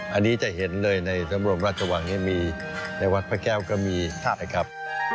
อันนี้จะเห็นเลยในสำรวมราชวังนี่มีในวัดพระแก้วก็มีนะครับ